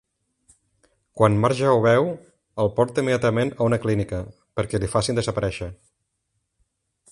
Quan Marge ho veu, el porta immediatament a una clínica, perquè l'hi facin desaparèixer.